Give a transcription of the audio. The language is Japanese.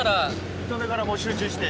１投目からもう集中して。